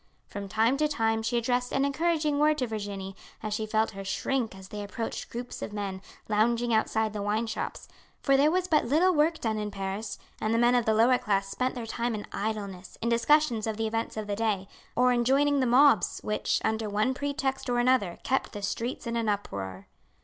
From time to time she addressed an encouraging word to Virginie as she felt her shrink as they approached groups of men lounging outside the wine shops, for there was but little work done in Paris, and the men of the lower class spent their time in idleness, in discussions of the events of the day, or in joining the mobs which, under one pretext or another, kept the streets in an uproar.